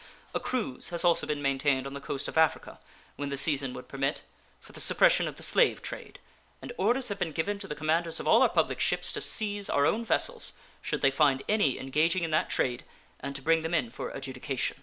A cruise has also been maintained on the coast of Africa, when the season would permit, for the suppression of the slave trade, and orders have been given to the commanders of all our public ships to seize our own vessels, should they find any engaging in that trade, and to bring them in for adjudication.